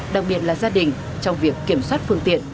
đặc biệt là gia đình trong việc kiểm soát phương tiện